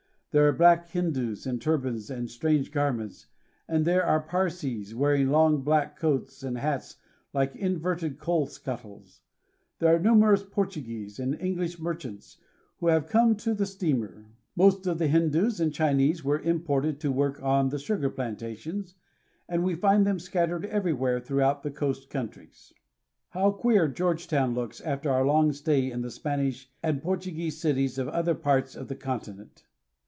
There are black Hindoos in turbans and strange garments, and there are Parsees wearing long black coats and hats like inverted coal scuttles. There are numerous Portuguese, and English merchants who have come to the steamer. The most of the Hindoos and Chinese were imported to work on the sugar plantations, and we find them scattered everywhere throughout the coast countries. "There are black Hindoos in turbans and strange garments.' How queer Georgetown looks after our long stay in the Spanish and Portuguese cities of other parts of the conti nent!